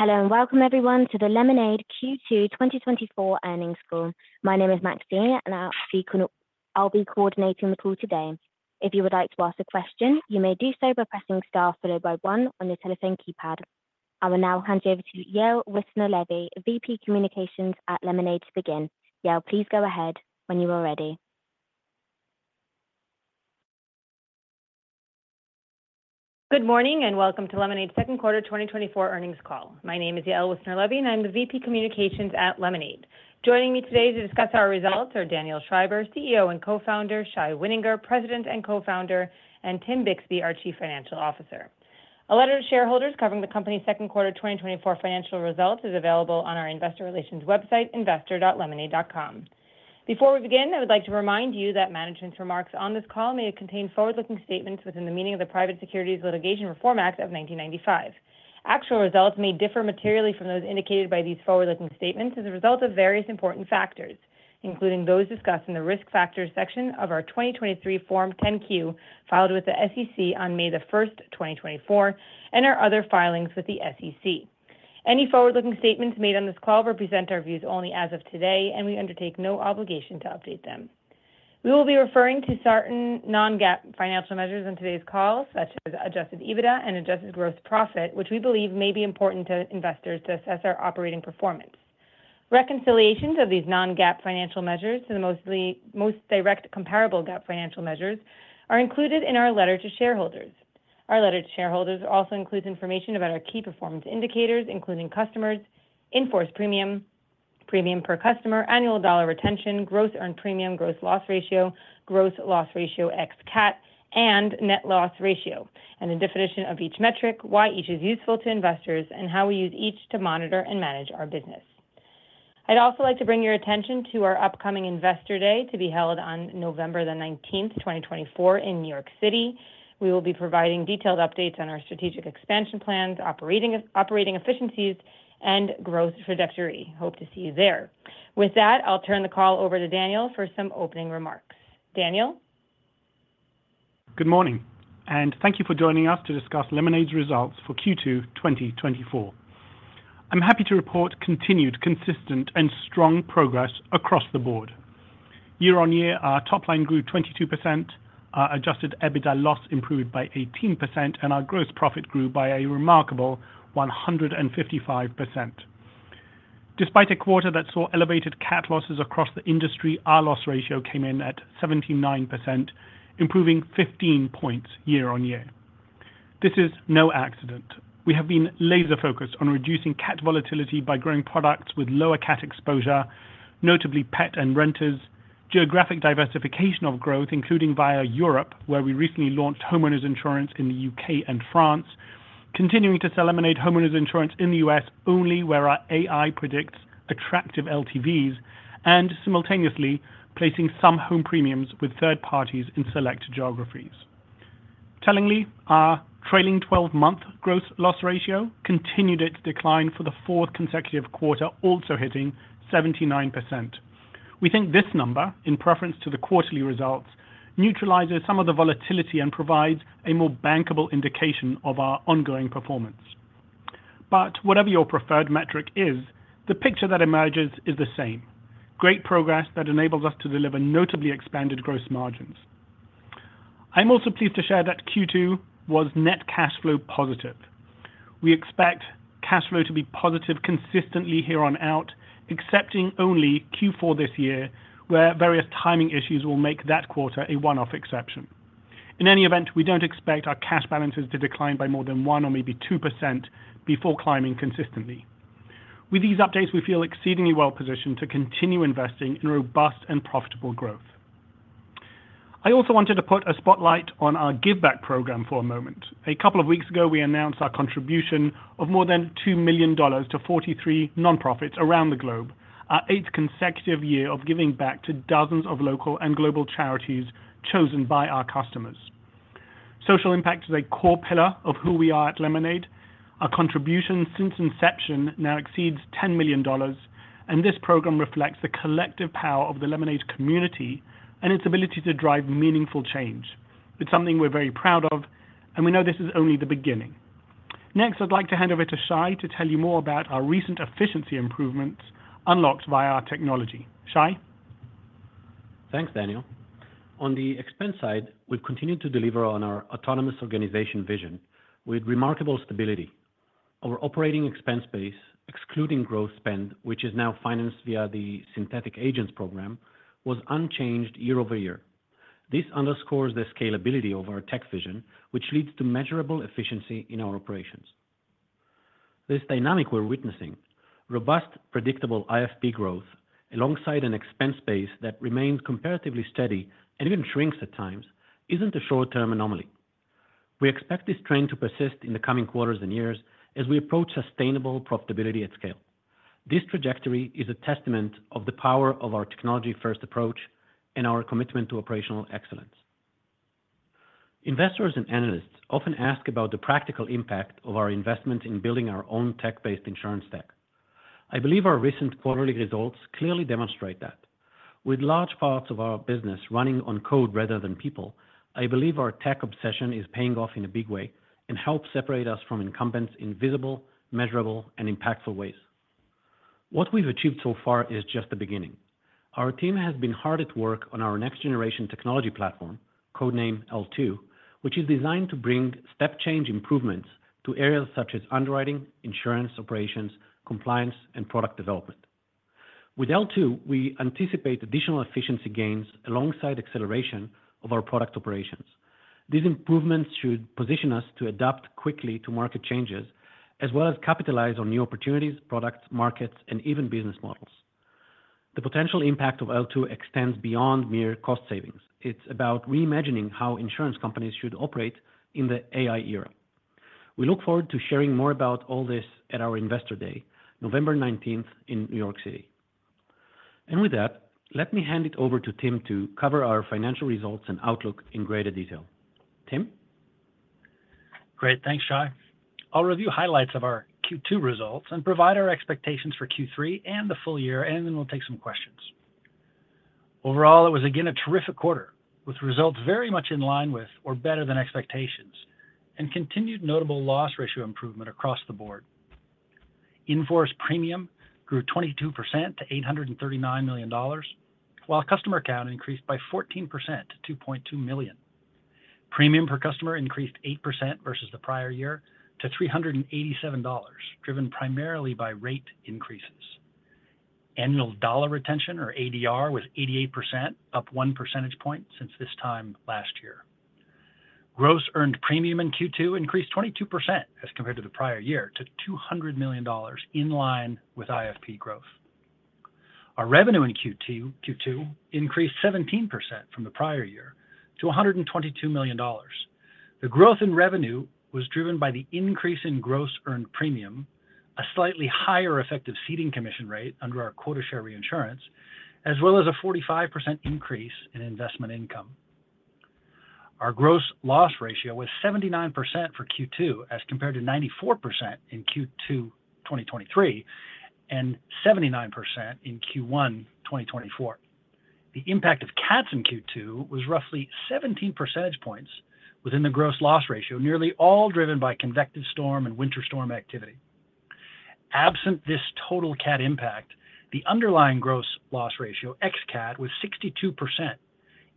Hello and welcome everyone to the Lemonade Q2 2024 earnings call. My name is Maxine, and I'll be coordinating the call today. If you would like to ask a question, you may do so by pressing star followed by one on your telephone keypad. I will now hand you over to Yael Wissner-Levy, VP Communications at Lemonade, to begin. Yael, please go ahead when you are ready. Good morning and welcome to Lemonade's second quarter 2024 earnings call. My name is Yael Wissner-Levy, and I'm the VP Communications at Lemonade. Joining me today to discuss our results are Daniel Schreiber, CEO and Co-founder, Shai Wininger, President and Co-founder, and Tim Bixby, our Chief Financial Officer. A letter to shareholders covering the company's second quarter 2024 financial results is available on our investor relations website, investor.lemonade.com. Before we begin, I would like to remind you that management's remarks on this call may contain forward-looking statements within the meaning of the Private Securities Litigation Reform Act of 1995. Actual results may differ materially from those indicated by these forward-looking statements as a result of various important factors, including those discussed in the risk factors section of our 2023 Form 10-Q filed with the SEC on May 1st, 2024, and our other filings with the SEC. Any forward-looking statements made on this call represent our views only as of today, and we undertake no obligation to update them. We will be referring to certain non-GAAP financial measures on today's call, such as Adjusted EBITDA and Adjusted Gross Profit, which we believe may be important to investors to assess our operating performance. Reconciliations of these non-GAAP financial measures to the most direct comparable GAAP financial measures are included in our letter to shareholders. Our letter to shareholders also includes information about our key performance indicators, including customers, In-Force Premium, premium per customer, Annual Dollar Retention, Gross Earned Premium, Gross Loss Ratio, Gross Loss Ratio ex-CAT, and Net Loss Ratio, and a definition of each metric, why each is useful to investors, and how we use each to monitor and manage our business. I'd also like to bring your attention to our upcoming Investor Day to be held on November 19th, 2024, in New York City. We will be providing detailed updates on our strategic expansion plans, operating efficiencies, and growth trajectory. Hope to see you there. With that, I'll turn the call over to Daniel for some opening remarks. Daniel. Good morning, and thank you for joining us to discuss Lemonade's results for Q2 2024. I'm happy to report continued, consistent, and strong progress across the board. Year-over-year, our top line grew 22%, our Adjusted EBITDA loss improved by 18%, and our gross profit grew by a remarkable 155%. Despite a quarter that saw elevated CAT losses across the industry, our loss ratio came in at 79%, improving 15 points year-over-year. This is no accident. We have been laser-focused on reducing CAT volatility by growing products with lower CAT exposure, notably pet and renters, geographic diversification of growth, including via Europe, where we recently launched homeowners insurance in the U.K. and France, continuing to sell Lemonade homeowners insurance in the U.S. only where our AI predicts attractive LTVs, and simultaneously placing some home premiums with third parties in select geographies. Tellingly, our trailing 12-month gross loss ratio continued its decline for the fourth consecutive quarter, also hitting 79%. We think this number, in preference to the quarterly results, neutralizes some of the volatility and provides a more bankable indication of our ongoing performance. But whatever your preferred metric is, the picture that emerges is the same: great progress that enables us to deliver notably expanded gross margins. I'm also pleased to share that Q2 was net cash flow positive. We expect cash flow to be positive consistently from here on out, excepting only Q4 this year, where various timing issues will make that quarter a one-off exception. In any event, we don't expect our cash balances to decline by more than 1% or maybe 2% before climbing consistently. With these updates, we feel exceedingly well-positioned to continue investing in robust and profitable growth. I also wanted to put a spotlight on our Giveback program for a moment. A couple of weeks ago, we announced our contribution of more than $2 million to 43 nonprofits around the globe, our eighth consecutive year of giving back to dozens of local and global charities chosen by our customers. Social impact is a core pillar of who we are at Lemonade. Our contribution since inception now exceeds $10 million, and this program reflects the collective power of the Lemonade community and its ability to drive meaningful change. It's something we're very proud of, and we know this is only the beginning. Next, I'd like to hand over to Shai to tell you more about our recent efficiency improvements unlocked via our technology. Shai. Thanks, Daniel. On the expense side, we've continued to deliver on our autonomous organization vision with remarkable stability. Our operating expense base, excluding growth spend, which is now financed via the Synthetic Agents program, was unchanged year-over-year. This underscores the scalability of our tech vision, which leads to measurable efficiency in our operations. This dynamic we're witnessing, robust, predictable IFP growth alongside an expense base that remains comparatively steady and even shrinks at times, isn't a short-term anomaly. We expect this trend to persist in the coming quarters and years as we approach sustainable profitability at scale. This trajectory is a testament to the power of our technology-first approach and our commitment to operational excellence. Investors and analysts often ask about the practical impact of our investments in building our own tech-based insurance tech. I believe our recent quarterly results clearly demonstrate that. With large parts of our business running on code rather than people, I believe our tech obsession is paying off in a big way and helps separate us from incumbents in visible, measurable, and impactful ways. What we've achieved so far is just the beginning. Our team has been hard at work on our next-generation technology platform, codename L2, which is designed to bring step-change improvements to areas such as underwriting, insurance operations, compliance, and product development. With L2, we anticipate additional efficiency gains alongside acceleration of our product operations. These improvements should position us to adapt quickly to market changes, as well as capitalize on new opportunities, products, markets, and even business models. The potential impact of L2 extends beyond mere cost savings. It's about reimagining how insurance companies should operate in the AI era. We look forward to sharing more about all this at our Investor Day, November 19th, in New York City. With that, let me hand it over to Tim to cover our financial results and outlook in greater detail. Tim? Great. Thanks, Shai. I'll review highlights of our Q2 results and provide our expectations for Q3 and the full year, and then we'll take some questions. Overall, it was again a terrific quarter, with results very much in line with or better than expectations and continued notable loss ratio improvement across the board. In-force premium grew 22% to $839 million, while customer count increased by 14% to 2.2 million. Premium per customer increased 8% versus the prior year to $387, driven primarily by rate increases. Annual dollar retention, or ADR, was 88%, up one percentage point since this time last year. Gross earned premium in Q2 increased 22% as compared to the prior year to $200 million, in line with IFP growth. Our revenue in Q2 increased 17% from the prior year to $122 million. The growth in revenue was driven by the increase in gross earned premium, a slightly higher effective ceding commission rate under our quota share reinsurance, as well as a 45% increase in investment income. Our gross loss ratio was 79% for Q2 as compared to 94% in Q2 2023 and 79% in Q1 2024. The impact of CATs in Q2 was roughly 17 percentage points within the gross loss ratio, nearly all driven by convective storm and winter storm activity. Absent this total CAT impact, the underlying gross loss ratio ex-CAT was 62%,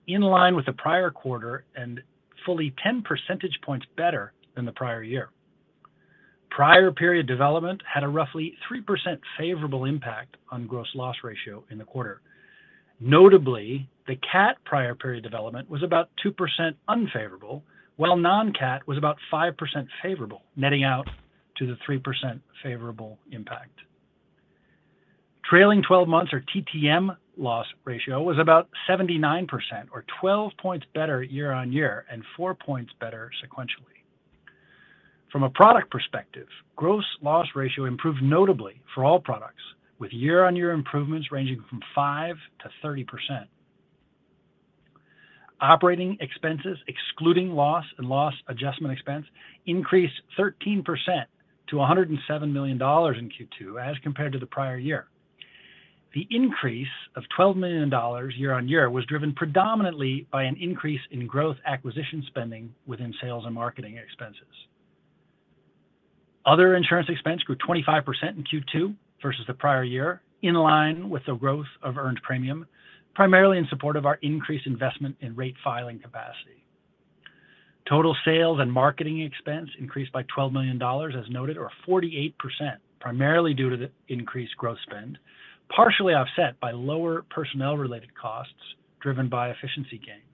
in line with the prior quarter and fully 10 percentage points better than the prior year. Prior period development had a roughly 3% favorable impact on gross loss ratio in the quarter. Notably, the CAT prior period development was about 2% unfavorable, while non-CAT was about 5% favorable, netting out to the 3% favorable impact. Trailing 12 months, or TTM, loss ratio was about 79%, or 12 points better year-on-year and 4 points better sequentially. From a product perspective, gross loss ratio improved notably for all products, with year-on-year improvements ranging from 5%-30%. Operating expenses, excluding loss and loss adjustment expense, increased 13% to $107 million in Q2 as compared to the prior year. The increase of $12 million year-on-year was driven predominantly by an increase in gross acquisition spending within sales and marketing expenses. Other insurance expense grew 25% in Q2 versus the prior year, in line with the growth of earned premium, primarily in support of our increased investment in rate filing capacity. Total sales and marketing expense increased by $12 million, as noted, or 48%, primarily due to the increased gross spend, partially offset by lower personnel-related costs driven by efficiency gains.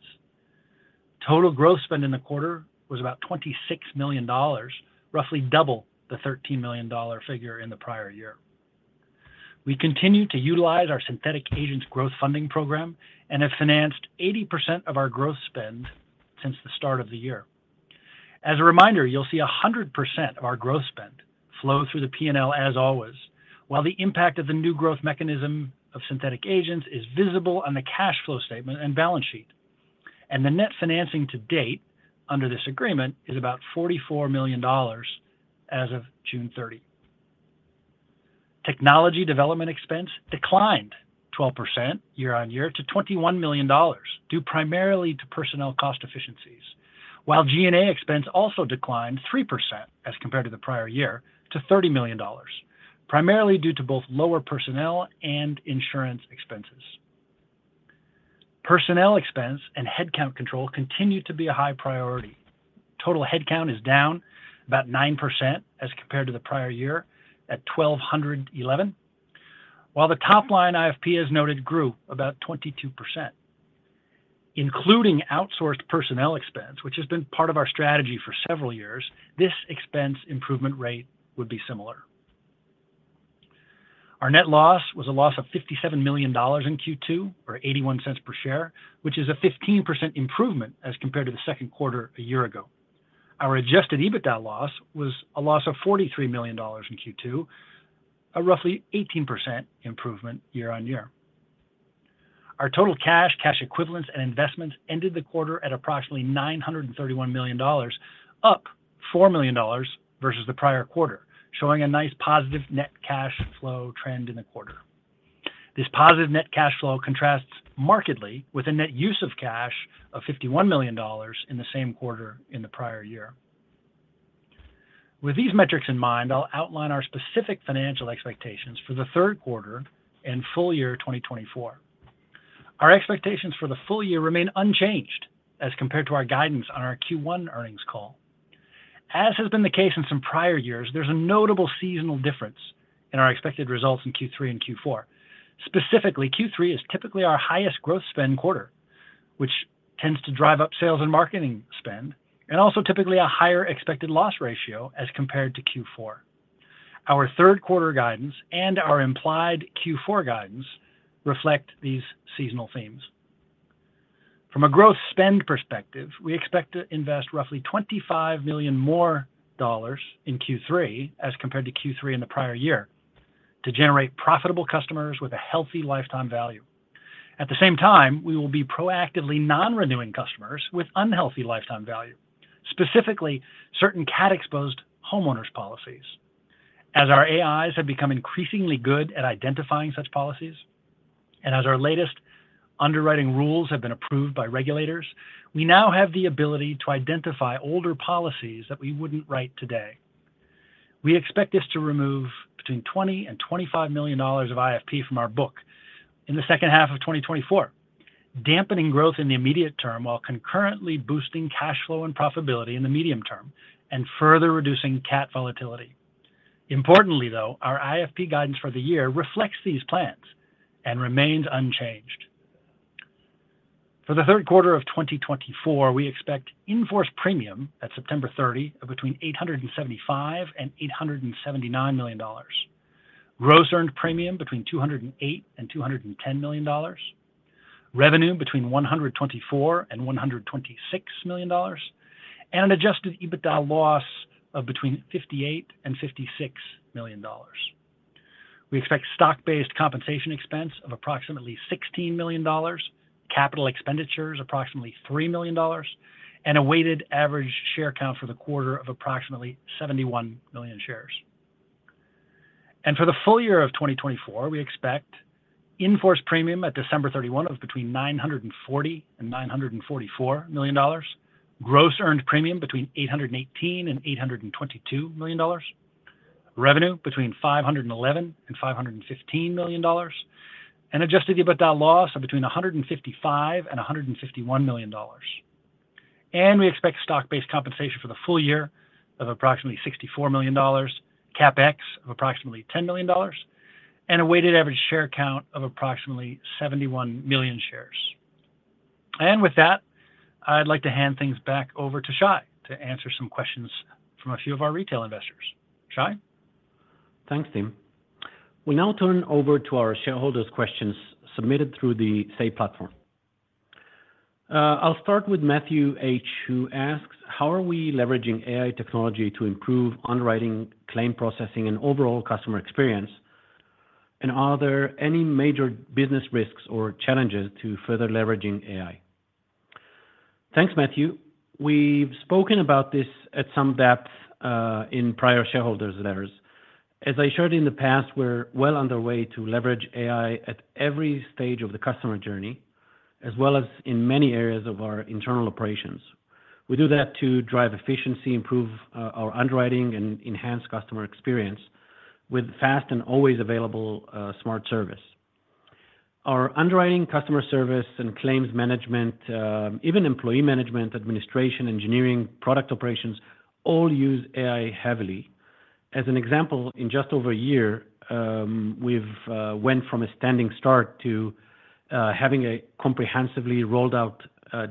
Total gross spend in the quarter was about $26 million, roughly double the $13 million figure in the prior year. We continue to utilize our Synthetic Agents growth funding program and have financed 80% of our gross spend since the start of the year. As a reminder, you'll see 100% of our gross spend flow through the P&L as always, while the impact of the new growth mechanism of Synthetic Agents is visible on the cash flow statement and balance sheet. And the net financing to date under this agreement is about $44 million as of June 30. Technology development expense declined 12% year-over-year to $21 million, due primarily to personnel cost efficiencies, while G&A expense also declined 3% as compared to the prior year to $30 million, primarily due to both lower personnel and insurance expenses. Personnel expense and headcount control continue to be a high priority. Total headcount is down about 9% as compared to the prior year at 1,211, while the top line IFP, as noted, grew about 22%. Including outsourced personnel expense, which has been part of our strategy for several years, this expense improvement rate would be similar. Our net loss was a loss of $57 million in Q2, or $0.81 per share, which is a 15% improvement as compared to the second quarter a year ago. Our adjusted EBITDA loss was a loss of $43 million in Q2, a roughly 18% improvement year-over-year. Our total cash, cash equivalents, and investments ended the quarter at approximately $931 million, up $4 million versus the prior quarter, showing a nice positive net cash flow trend in the quarter. This positive net cash flow contrasts markedly with a net use of cash of $51 million in the same quarter in the prior year. With these metrics in mind, I'll outline our specific financial expectations for the third quarter and full year 2024. Our expectations for the full year remain unchanged as compared to our guidance on our Q1 earnings call. As has been the case in some prior years, there's a notable seasonal difference in our expected results in Q3 and Q4. Specifically, Q3 is typically our highest gross spend quarter, which tends to drive up sales and marketing spend, and also typically a higher expected loss ratio as compared to Q4. Our third quarter guidance and our implied Q4 guidance reflect these seasonal themes. From a growth spend perspective, we expect to invest roughly $25 million more in Q3 as compared to Q3 in the prior year to generate profitable customers with a healthy lifetime value. At the same time, we will be proactively non-renewing customers with unhealthy lifetime value, specifically certain CAT-exposed homeowners policies. As our AIs have become increasingly good at identifying such policies, and as our latest underwriting rules have been approved by regulators, we now have the ability to identify older policies that we wouldn't write today. We expect this to remove between $20 million-$25 million of IFP from our book in the second half of 2024, dampening growth in the immediate term while concurrently boosting cash flow and profitability in the medium term and further reducing CAT volatility. Importantly, though, our IFP guidance for the year reflects these plans and remains unchanged. For the third quarter of 2024, we expect in-force premium at September 30 of between $875 million-$879 million, gross earned premium between $208 million-$210 million, revenue between $124 million-$126 million, and an adjusted EBITDA loss of between $58 million-$56 million. We expect stock-based compensation expense of approximately $16 million, capital expenditures approximately $3 million, and a weighted average share count for the quarter of approximately 71 million shares. For the full year of 2024, we expect in-force premium at December 31 of between $940 million-$944 million, gross earned premium between $818 million-$822 million, revenue between $511 million-$515 million, and adjusted EBITDA loss of between $155 million-$151 million. We expect stock-based compensation for the full year of approximately $64 million, CapEx of approximately $10 million, and a weighted average share count of approximately 71 million shares. With that, I'd like to hand things back over to Shai to answer some questions from a few of our retail investors. Shai? Thanks, Tim. We'll now turn over to our shareholders' questions submitted through the Say platform. I'll start with Matthew H. who asks, "How are we leveraging AI technology to improve underwriting, claim processing, and overall customer experience? And are there any major business risks or challenges to further leveraging AI?" Thanks, Matthew. We've spoken about this at some depth in prior shareholders' letters. As I shared in the past, we're well on the way to leverage AI at every stage of the customer journey, as well as in many areas of our internal operations. We do that to drive efficiency, improve our underwriting, and enhance customer experience with fast and always available smart service. Our underwriting, customer service, and claims management, even employee management, administration, engineering, product operations, all use AI heavily. As an example, in just over a year, we've went from a standing start to having a comprehensively rolled-out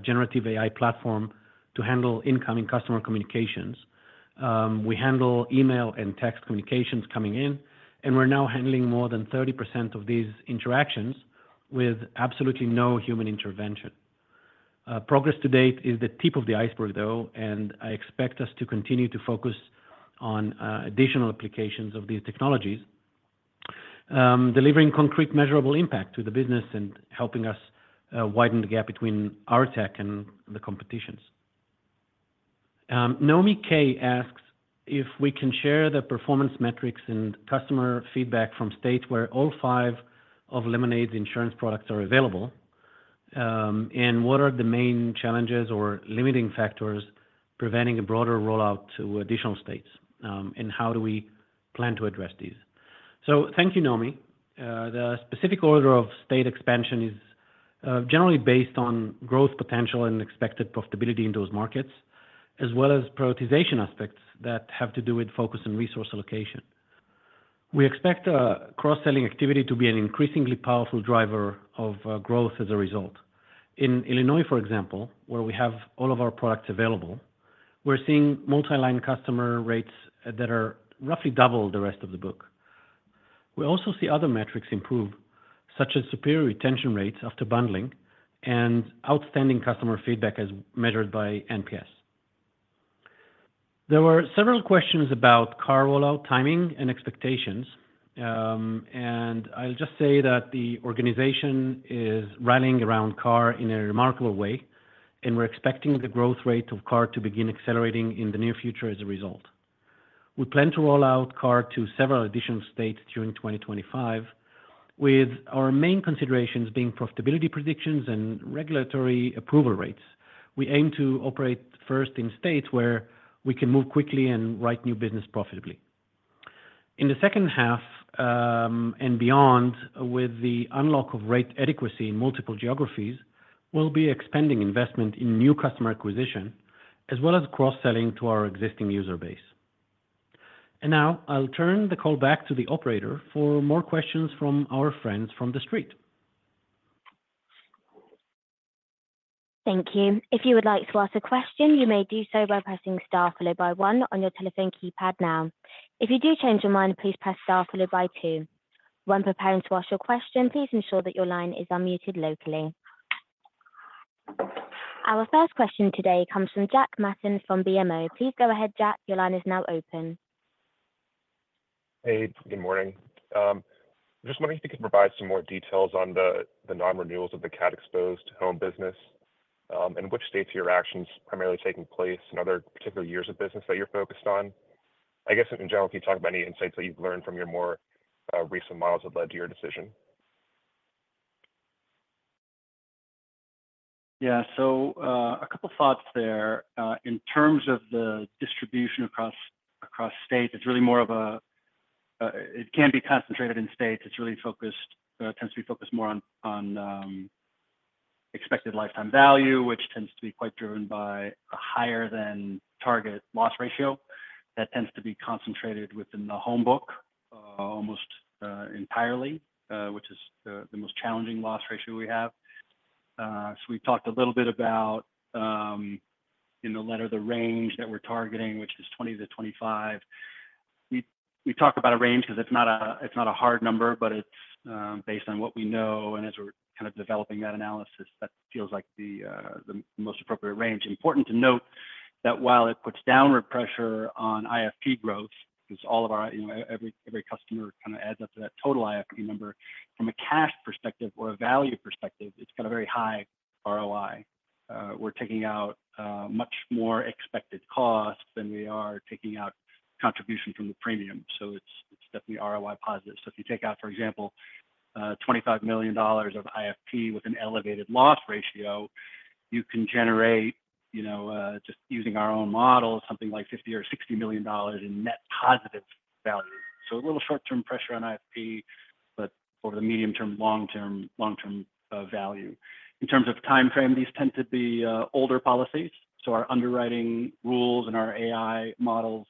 Generative AI platform to handle incoming customer communications. We handle email and text communications coming in, and we're now handling more than 30% of these interactions with absolutely no human intervention. Progress to date is the tip of the iceberg, though, and I expect us to continue to focus on additional applications of these technologies, delivering concrete measurable impact to the business and helping us widen the gap between our tech and the competitions. Nomi K. asks if we can share the performance metrics and customer feedback from states where all five of Lemonade's insurance products are available, and what are the main challenges or limiting factors preventing a broader rollout to additional states, and how do we plan to address these. So thank you, Nomi. The specific order of state expansion is generally based on growth potential and expected profitability in those markets, as well as prioritization aspects that have to do with focus and resource allocation. We expect cross-selling activity to be an increasingly powerful driver of growth as a result. In Illinois, for example, where we have all of our products available, we're seeing multi-line customer rates that are roughly double the rest of the book. We also see other metrics improve, such as superior retention rates after bundling and outstanding customer feedback as measured by NPS. There were several questions about car rollout timing and expectations, and I'll just say that the organization is rallying around car in a remarkable way, and we're expecting the growth rate of car to begin accelerating in the near future as a result. We plan to rollout car to several additional states during 2025, with our main considerations being profitability predictions and regulatory approval rates. We aim to operate first in states where we can move quickly and write new business profitably. In the second half and beyond, with the unlock of rate adequacy in multiple geographies, we'll be expanding investment in new customer acquisition, as well as cross-selling to our existing user base. Now I'll turn the call back to the operator for more questions from our friends from the street. Thank you. If you would like to ask a question, you may do so by pressing star followed by one on your telephone keypad now. If you do change your mind, please press star followed by two. When preparing to ask your question, please ensure that your line is unmuted locally. Our first question today comes from Jack Matten from BMO. Please go ahead, Jack. Your line is now open. Hey, good morning. Just wondering if you could provide some more details on the non-renewals of the CAT-exposed home business and which states your actions primarily taking place and other particular years of business that you're focused on. I guess, in general, if you talk about any insights that you've learned from your more recent models that led to your decision. Yeah, so a couple of thoughts there. In terms of the distribution across states, it's really more of a it can be concentrated in states. It's really focused tends to be focused more on expected lifetime value, which tends to be quite driven by a higher-than-target loss ratio that tends to be concentrated within the home book almost entirely, which is the most challenging loss ratio we have. So we talked a little bit about in the letter the range that we're targeting, which is 20-25. We talk about a range because it's not a hard number, but it's based on what we know. As we're kind of developing that analysis, that feels like the most appropriate range. Important to note that while it puts downward pressure on IFP growth, because all of our every customer kind of adds up to that total IFP number, from a cash perspective or a value perspective, it's got a very high ROI. We're taking out much more expected cost than we are taking out contribution from the premium. So it's definitely ROI positive. So if you take out, for example, $25 million of IFP with an elevated loss ratio, you can generate, just using our own models, something like $50 or $60 million in net positive value. So a little short-term pressure on IFP, but over the medium term, long-term value. In terms of time frame, these tend to be older policies. So our underwriting rules and our AI models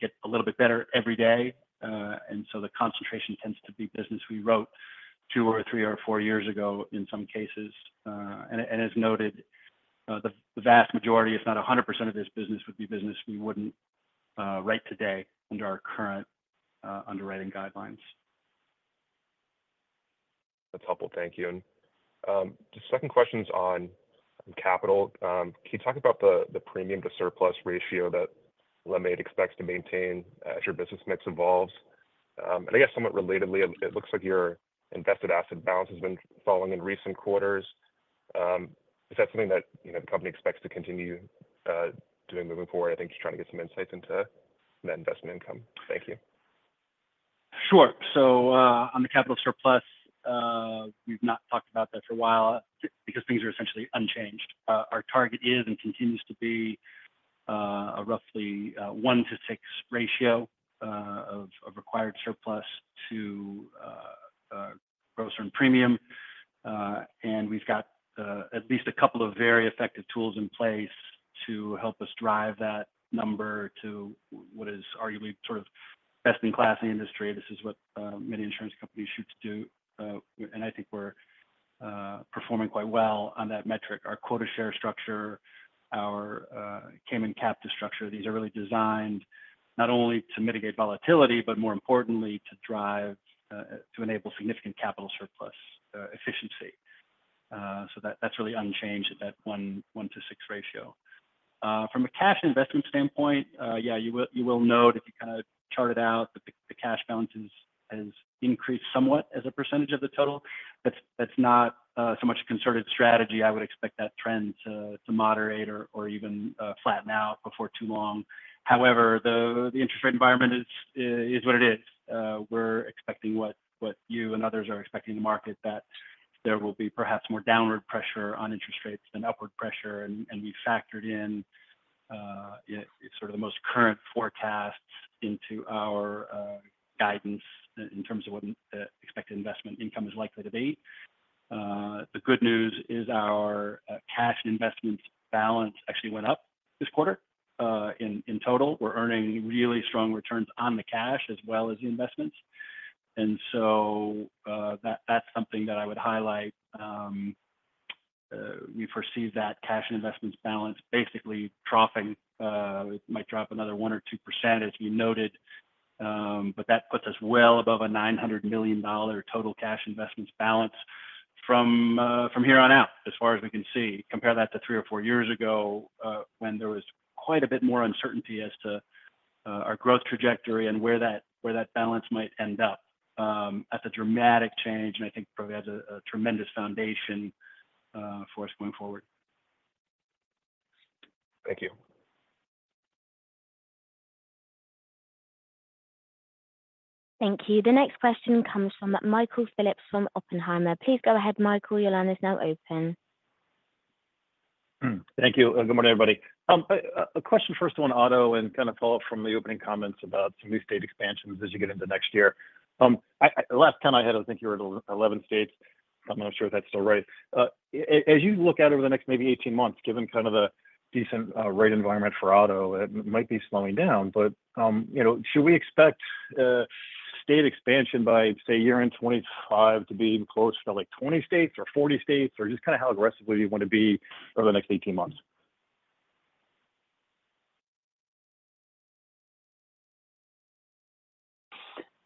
get a little bit better every day. And so the concentration tends to be business we wrote 2, 3, or 4 years ago in some cases. And as noted, the vast majority, if not 100% of this business would be business we wouldn't write today under our current underwriting guidelines. That's helpful. Thank you. The second question's on capital. Can you talk about the premium-to-surplus ratio that Lemonade expects to maintain as your business mix evolves? I guess somewhat relatedly, it looks like your invested asset balance has been falling in recent quarters. Is that something that the company expects to continue doing moving forward? I think you're trying to get some insights into that investment income. Thank you. Sure. So on the capital surplus, we've not talked about that for a while because things are essentially unchanged. Our target is and continues to be a roughly 1:6 ratio of required surplus to gross earned premium. And we've got at least a couple of very effective tools in place to help us drive that number to what is arguably sort of best-in-class in the industry. This is what many insurance companies shoot to do. And I think we're performing quite well on that metric. Our quota share structure, our Cayman Captive structure, these are really designed not only to mitigate volatility, but more importantly, to drive to enable significant capital surplus efficiency. So that's really unchanged at that 1:6 ratio. From a cash investment standpoint, yeah, you will note if you kind of chart it out that the cash balance has increased somewhat as a percentage of the total. That's not so much a concerted strategy. I would expect that trend to moderate or even flatten out before too long. However, the interest rate environment is what it is. We're expecting what you and others are expecting in the market, that there will be perhaps more downward pressure on interest rates than upward pressure. And we've factored in sort of the most current forecasts into our guidance in terms of what expected investment income is likely to be. The good news is our cash investment balance actually went up this quarter in total. We're earning really strong returns on the cash as well as the investments. And so that's something that I would highlight. We foresee that cash investment balance basically troughing. It might drop another 1 or 2%, as you noted. But that puts us well above a $900 million total cash investment balance from here on out, as far as we can see. Compare that to three or four years ago when there was quite a bit more uncertainty as to our growth trajectory and where that balance might end up. That's a dramatic change, and I think probably has a tremendous foundation for us going forward. Thank you. Thank you. The next question comes from Michael Phillips from Oppenheimer. Please go ahead, Michael. Your line is now open. Thank you. Good morning, everybody. A question first on auto and kind of follow-up from the opening comments about some new state expansions as you get into next year. The last count I had, I think you were 11 states. I'm not sure if that's still right. As you look out over the next maybe 18 months, given kind of the decent rate environment for auto, it might be slowing down. But should we expect state expansion by, say, year in 2025 to be close to like 20 states or 40 states, or just kind of how aggressively do you want to be over the next 18 months?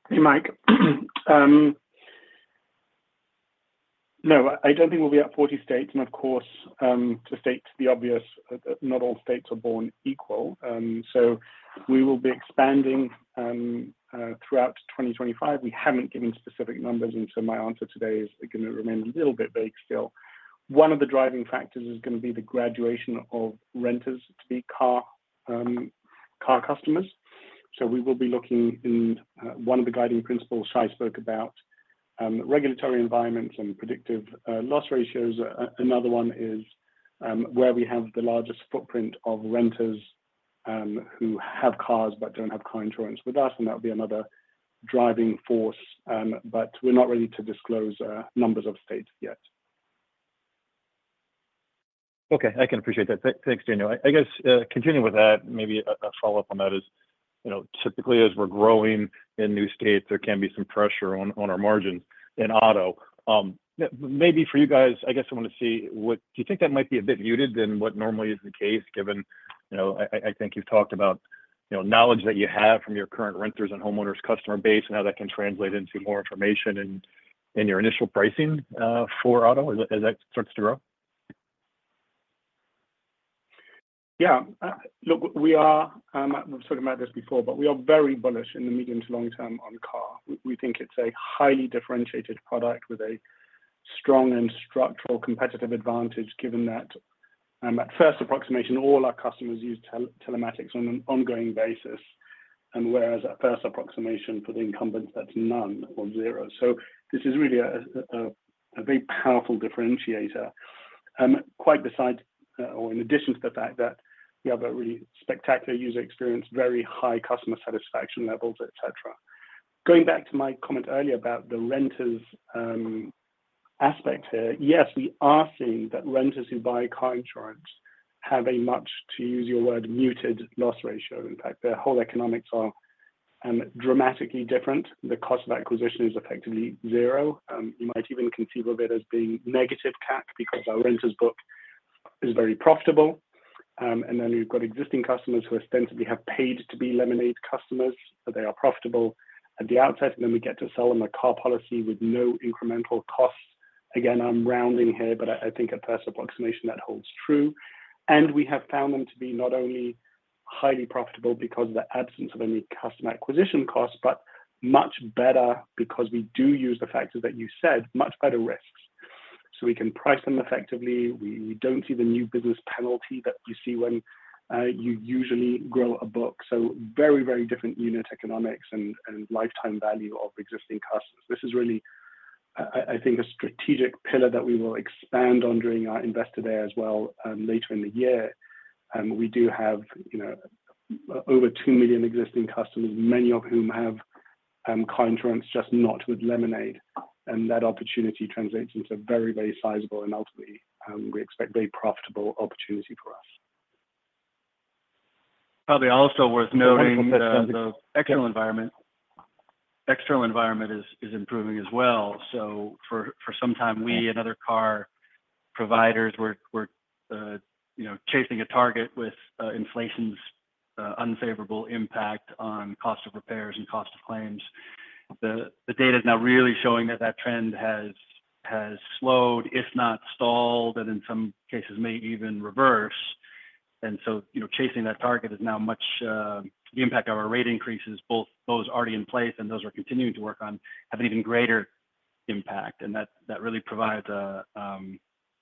Hey, Mike. No, I don't think we'll be at 40 states. And of course, to state the obvious, not all states are born equal. So we will be expanding throughout 2025. We haven't given specific numbers, and so my answer today is going to remain a little bit vague still. One of the driving factors is going to be the graduation of renters to be car customers. So we will be looking at one of the guiding principles Shai spoke about, regulatory environments and predictive loss ratios. Another one is where we have the largest footprint of renters who have cars but don't have car insurance with us. And that would be another driving force. But we're not ready to disclose numbers of states yet. Okay. I can appreciate that. Thanks, Daniel. I guess continuing with that, maybe a follow-up on that is typically as we're growing in new states, there can be some pressure on our margins in auto. Maybe for you guys, I guess I want to see what do you think that might be a bit muted than what normally is the case, given I think you've talked about knowledge that you have from your current renters and homeowners customer base and how that can translate into more information in your initial pricing for auto as that starts to grow? Yeah. Look, we are. I've talked about this before, but we are very bullish in the medium to long term on car. We think it's a highly differentiated product with a strong and structural competitive advantage given that at first approximation, all our customers use telematics on an ongoing basis, whereas at first approximation for the incumbents, that's none or zero. So this is really a very powerful differentiator, quite besides or in addition to the fact that we have a really spectacular user experience, very high customer satisfaction levels, etc. Going back to my comment earlier about the renters aspect here, yes, we are seeing that renters who buy car insurance have a much, to use your word, muted loss ratio. In fact, their whole economics are dramatically different. The cost of acquisition is effectively zero. You might even conceive of it as being negative CAC because our renters book is very profitable. And then we've got existing customers who ostensibly have paid to be Lemonade customers, but they are profitable at the outset. And then we get to sell them a car policy with no incremental costs. Again, I'm rounding here, but I think at first approximation that holds true. And we have found them to be not only highly profitable because of the absence of any customer acquisition costs, but much better because we do use the factors that you said, much better risks. So we can price them effectively. We don't see the new business penalty that you see when you usually grow a book. So very, very different unit economics and lifetime value of existing customers. This is really, I think, a strategic pillar that we will expand on during our Investor Day as well later in the year. We do have over 2 million existing customers, many of whom have car insurance, just not with Lemonade. And that opportunity translates into very, very sizable, and ultimately, we expect a very profitable opportunity for us. Probably also worth noting that the external environment is improving as well. So for some time, we and other car providers were chasing a target with inflation's unfavorable impact on cost of repairs and cost of claims. The data is now really showing that that trend has slowed, if not stalled, and in some cases may even reverse. And so chasing that target is now much the impact of our rate increases, both those already in place and those we're continuing to work on, have an even greater impact. And that really provides a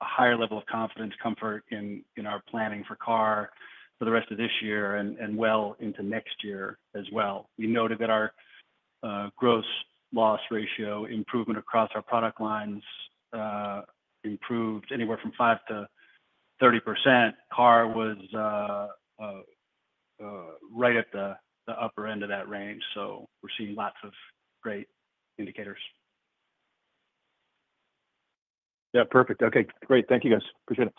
higher level of confidence, comfort in our planning for car for the rest of this year and well into next year as well. We noted that our gross loss ratio improvement across our product lines improved anywhere from 5%-30%. Car was right at the upper end of that range. So we're seeing lots of great indicators. Yeah, perfect. Okay. Great. Thank you, guys. Appreciate it.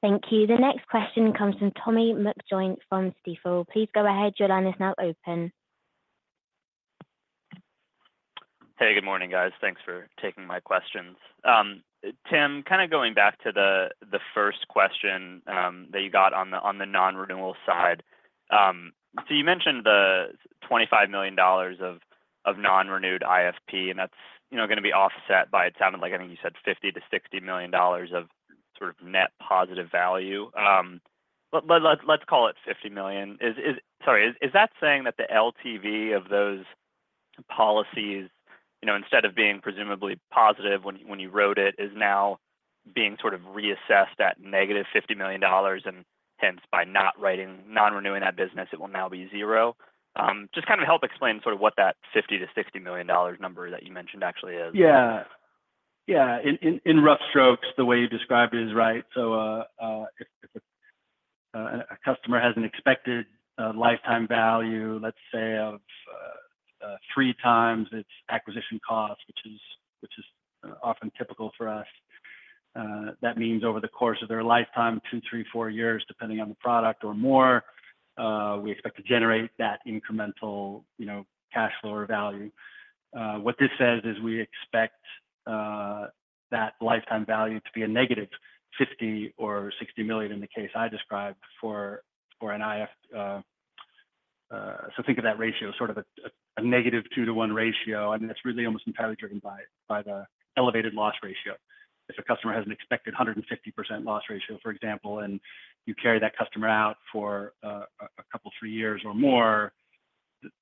Thank you. The next question comes from Tommy McJoynt from Stifel. Please go ahead. Your line is now open. Hey, good morning, guys. Thanks for taking my questions. Tim, kind of going back to the first question that you got on the non-renewal side. So you mentioned the $25 million of non-renewed IFP, and that's going to be offset by, it sounded like, I think you said $50 million-$60 million of sort of net positive value. Let's call it $50 million. Sorry. Is that saying that the LTV of those policies, instead of being presumably positive when you wrote it, is now being sort of reassessed at negative $50 million? And hence, by not writing non-renewing that business, it will now be zero? Just kind of help explain sort of what that $50 million-$60 million number that you mentioned actually is. Yeah. Yeah. In rough strokes, the way you described it is right. So if a customer has an expected lifetime value, let's say, of 3x its acquisition cost, which is often typical for us, that means over the course of their lifetime, 2, 3, 4 years, depending on the product or more, we expect to generate that incremental cash flow or value. What this says is we expect that lifetime value to be a negative $50 million or $60 million in the case I described for an IFP. So think of that ratio as sort of a negative 2:1 ratio. And it's really almost entirely driven by the elevated loss ratio. If a customer has an expected 150% loss ratio, for example, and you carry that customer out for a couple of 3 years or more,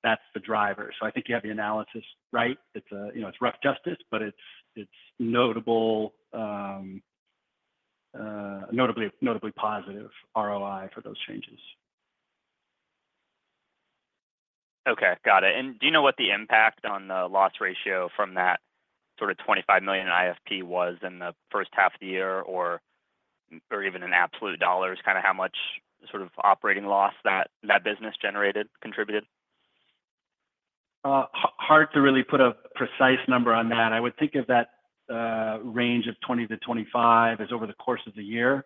that's the driver. So I think you have the analysis right. It's rough justice, but it's notably positive ROI for those changes. Okay. Got it. And do you know what the impact on the loss ratio from that sort of $25 million IFP was in the first half of the year or even in absolute dollars, kind of how much sort of operating loss that business generated, contributed? Hard to really put a precise number on that. I would think of that range of 20-25 as over the course of the year,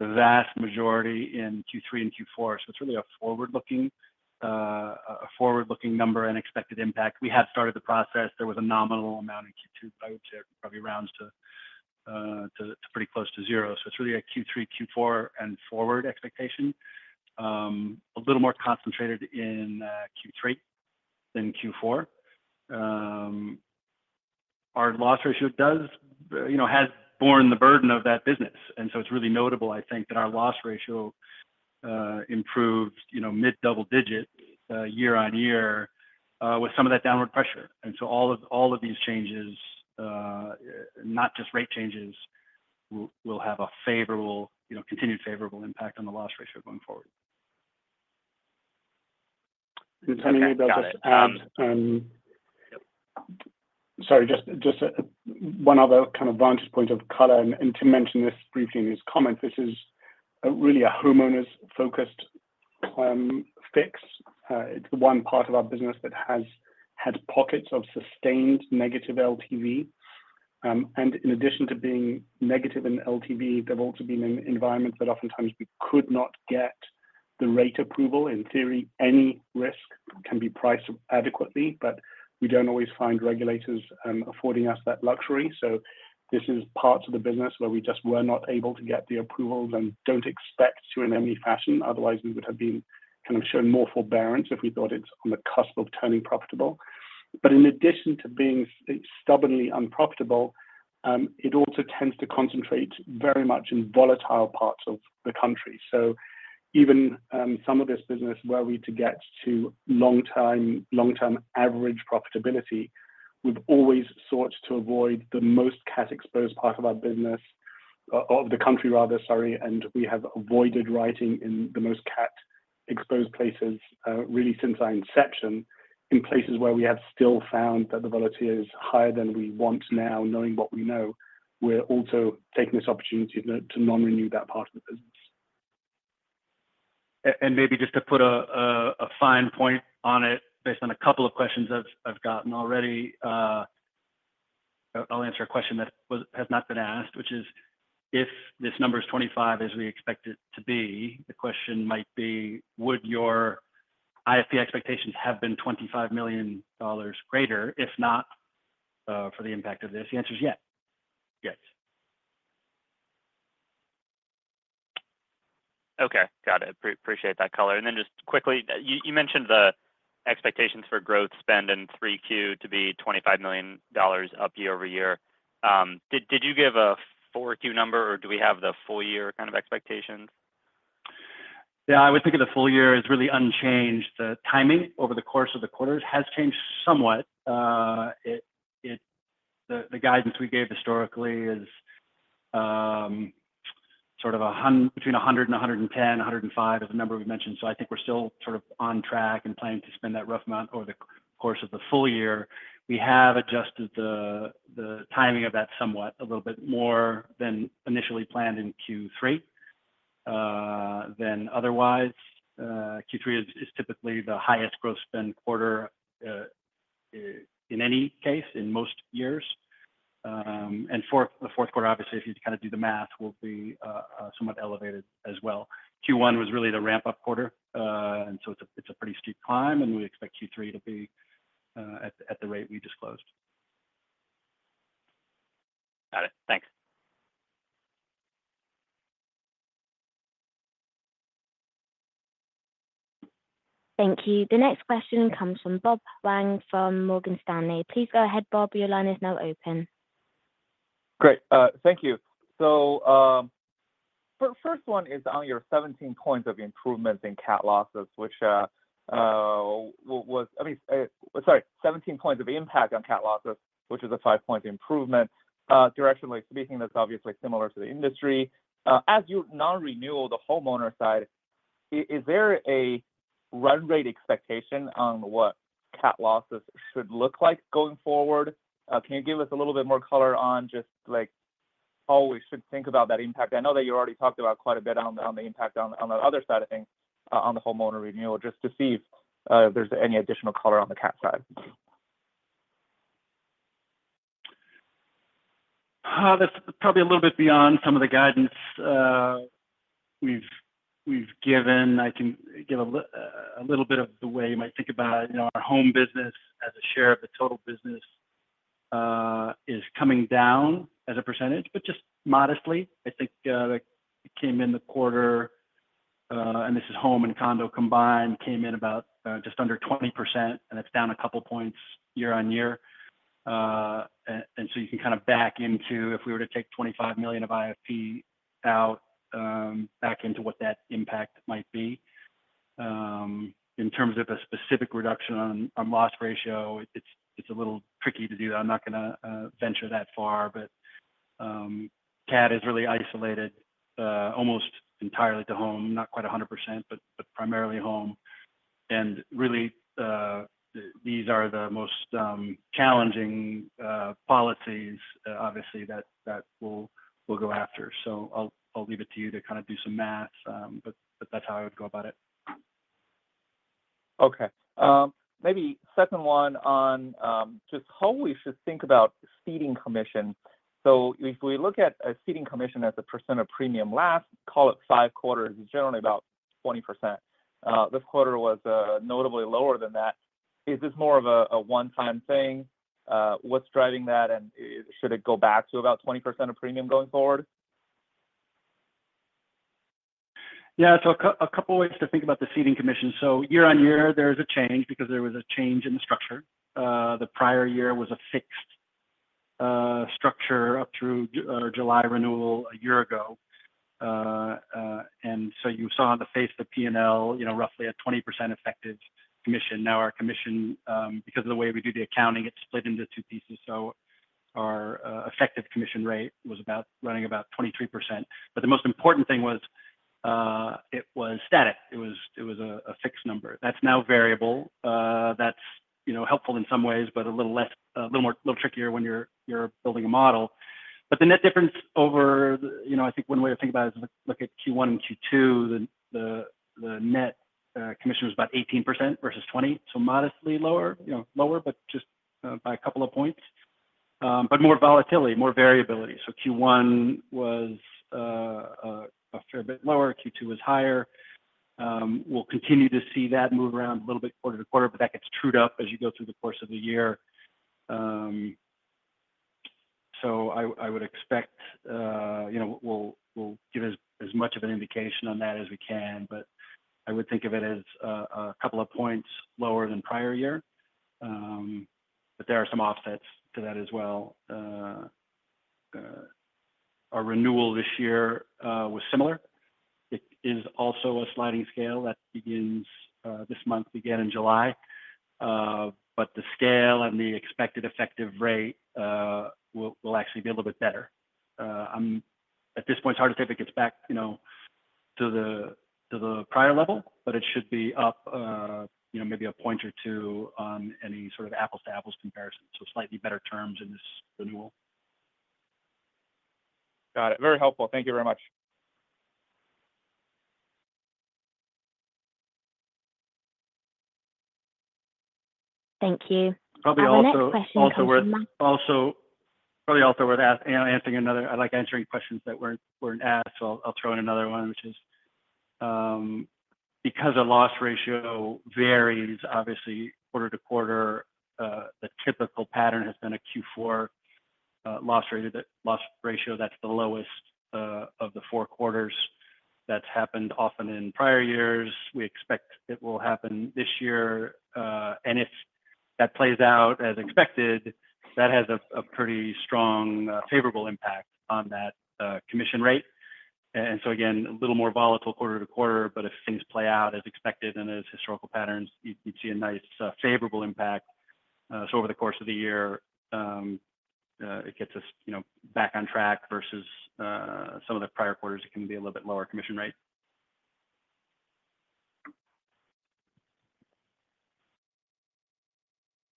the vast majority in Q3 and Q4. So it's really a forward-looking number and expected impact. We had started the process. There was a nominal amount in Q2, but I would say it probably rounds to pretty close to zero. So it's really a Q3, Q4, and forward expectation. A little more concentrated in Q3 than Q4. Our loss ratio has borne the burden of that business. And so it's really notable, I think, that our loss ratio improved mid-double digit year-over-year with some of that downward pressure. And so all of these changes, not just rate changes, will have a continued favorable impact on the loss ratio going forward. Can I just add? Sorry, just one other kind of vantage point of color. And to mention this briefly in his comment, this is really a homeowners-focused fix. It's the one part of our business that has had pockets of sustained negative LTV. And in addition to being negative in LTV, there've also been environments that oftentimes we could not get the rate approval. In theory, any risk can be priced adequately, but we don't always find regulators affording us that luxury. So this is parts of the business where we just were not able to get the approvals and don't expect to in any fashion. Otherwise, we would have been kind of shown more forbearance if we thought it's on the cusp of turning profitable. But in addition to being stubbornly unprofitable, it also tends to concentrate very much in volatile parts of the country. So even some of this business where we to get to long-term average profitability, we've always sought to avoid the most CAT-exposed part of our business, of the country, rather, sorry. And we have avoided writing in the most CAT-exposed places really since our inception, in places where we have still found that the volatility is higher than we want now, knowing what we know. We're also taking this opportunity to non-renew that part of the business. And maybe just to put a fine point on it, based on a couple of questions I've gotten already, I'll answer a question that has not been asked, which is if this number is 25 as we expect it to be, the question might be, would your IFP expectations have been $25 million greater? If not, for the impact of this, the answer is yes. Yes. Okay. Got it. Appreciate that color. And then just quickly, you mentioned the expectations for growth spend in 3Q to be $25 million up year-over-year. Did you give a 4Q number, or do we have the full-year kind of expectations? Yeah. I would think of the full year as really unchanged. The timing over the course of the quarters has changed somewhat. The guidance we gave historically is sort of between 100 and 110, 105 is the number we mentioned. So I think we're still sort of on track and planning to spend that rough amount over the course of the full year. We have adjusted the timing of that somewhat, a little bit more than initially planned in Q3 than otherwise. Q3 is typically the highest gross spend quarter in any case in most years. And the fourth quarter, obviously, if you kind of do the math, will be somewhat elevated as well. Q1 was really the ramp-up quarter. And so it's a pretty steep climb. And we expect Q3 to be at the rate we disclosed. Got it. Thanks. Thank you. The next question comes from Bob Huang from Morgan Stanley. Please go ahead, Bob. Your line is now open. Great. Thank you. So the first one is on your 17 points of improvements in CAT losses, which was, I mean, sorry, 17 points of impact on CAT losses, which is a 5-point improvement. Directionally speaking, that's obviously similar to the industry. As you non-renew the homeowner side, is there a run rate expectation on what CAT losses should look like going forward? Can you give us a little bit more color on just how we should think about that impact? I know that you already talked about quite a bit on the impact on the other side of things on the homeowner renewal, just to see if there's any additional color on the CAT side. That's probably a little bit beyond some of the guidance we've given. I can give a little bit of the way you might think about it. Our home business as a share of the total business is coming down as a percentage, but just modestly. I think it came in the quarter, and this is home and condo combined, came in about just under 20%, and it's down a couple of points year-on-year. And so you can kind of back into if we were to take $25 million of IFP out, back into what that impact might be. In terms of a specific reduction on loss ratio, it's a little tricky to do that. I'm not going to venture that far, but CAT is really isolated almost entirely to home, not quite 100%, but primarily home. Really, these are the most challenging policies, obviously, that we'll go after. I'll leave it to you to kind of do some math, but that's how I would go about it. Okay. Maybe second one on just how we should think about ceding commission. So if we look at a ceding commission as a percent of premium, last call it 5 quarters, it's generally about 20%. This quarter was notably lower than that. Is this more of a one-time thing? What's driving that? And should it go back to about 20% of premium going forward? Yeah. So a couple of ways to think about the ceding commission. So year-on-year, there is a change because there was a change in the structure. The prior year was a fixed structure up through July renewal a year ago. And so you saw on the face of the P&L, roughly a 20% effective commission. Now, our commission, because of the way we do the accounting, it's split into two pieces. So our effective commission rate was running about 23%. But the most important thing was it was static. It was a fixed number. That's now variable. That's helpful in some ways, but a little trickier when you're building a model. But the net difference over, I think one way to think about it is look at Q1 and Q2. The net commission was about 18% versus 20%, so modestly lower, but just by a couple of points. But more volatility, more variability. So Q1 was a fair bit lower. Q2 was higher. We'll continue to see that move around a little bit quarter to quarter, but that gets trued up as you go through the course of the year. So I would expect we'll give as much of an indication on that as we can, but I would think of it as a couple of points lower than prior year. But there are some offsets to that as well. Our renewal this year was similar. It is also a sliding scale that begins this month again in July. But the scale and the expected effective rate will actually be a little bit better. At this point, it's hard to say if it gets back to the prior level, but it should be up maybe a point or two on any sort of apples-to-apples comparison. Slightly better terms in this renewal. Got it. Very helpful. Thank you very much. Thank you. Probably also worth. Another question from Tim. Also, probably also worth answering another. I like answering questions that weren't asked, so I'll throw in another one, which is because a loss ratio varies, obviously, quarter to quarter, the typical pattern has been a Q4 loss ratio that's the lowest of the four quarters. That's happened often in prior years. We expect it will happen this year. If that plays out as expected, that has a pretty strong favorable impact on that commission rate. So again, a little more volatile quarter to quarter, but if things play out as expected and as historical patterns, you'd see a nice favorable impact. Over the course of the year, it gets us back on track versus some of the prior quarters; it can be a little bit lower commission rate.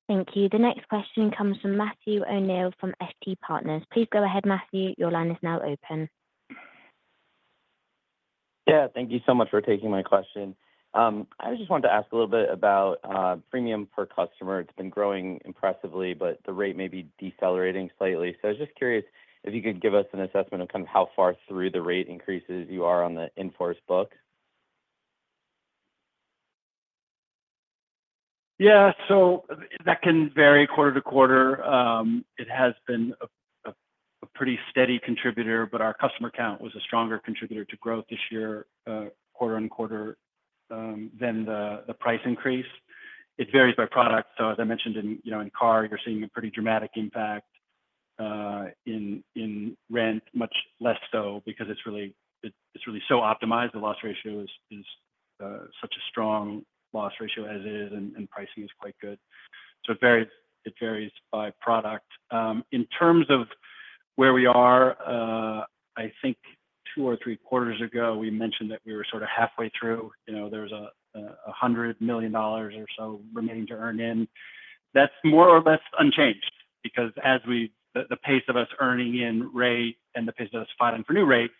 Thank you. The next question comes from Matthew O'Neill from FT Partners. Please go ahead, Matthew. Your line is now open. Yeah. Thank you so much for taking my question. I just wanted to ask a little bit about premium per customer. It's been growing impressively, but the rate may be decelerating slightly. So I was just curious if you could give us an assessment of kind of how far through the rate increases you are on the in-force book? Yeah. So that can vary quarter to quarter. It has been a pretty steady contributor, but our customer count was a stronger contributor to growth this year, quarter-over-quarter, than the price increase. It varies by product. So as I mentioned, in car, you're seeing a pretty dramatic impact. In rent, much less so because it's really so optimized. The loss ratio is such a strong loss ratio as it is, and pricing is quite good. So it varies by product. In terms of where we are, I think two or three quarters ago, we mentioned that we were sort of halfway through. There was $100 million or so remaining to earn in. That's more or less unchanged because the pace of us earning in rate and the pace of us filing for new rates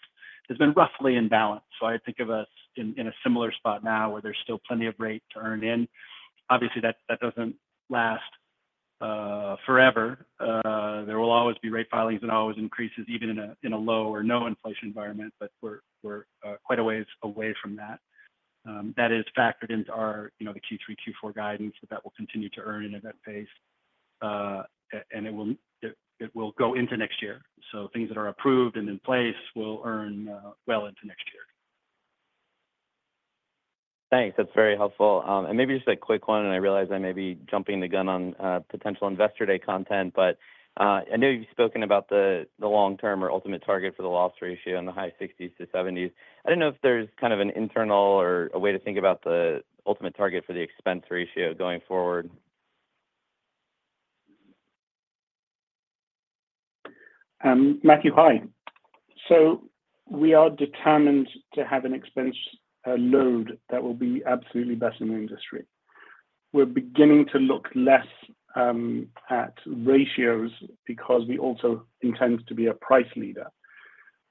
has been roughly in balance. I think of us in a similar spot now where there's still plenty of rate to earn in. Obviously, that doesn't last forever. There will always be rate filings and always increases, even in a low or no inflation environment, but we're quite a ways away from that. That is factored into our Q3, Q4 guidance that that will continue to earn in in-force base. And it will go into next year. Things that are approved and in place will earn well into next year. Thanks. That's very helpful. Maybe just a quick one, and I realize I may be jumping the gun on potential Investor Day content, but I know you've spoken about the long-term or ultimate target for the loss ratio in the high 60s-70s. I don't know if there's kind of an internal or a way to think about the ultimate target for the expense ratio going forward. Matthew, hi. So we are determined to have an expense load that will be absolutely best in the industry. We're beginning to look less at ratios because we also intend to be a price leader.